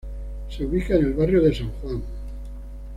Se ubica en el Barrio de San Juan.